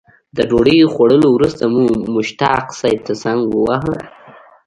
د ډوډۍ خوړلو وروسته مو مشتاق صیب ته زنګ وواهه.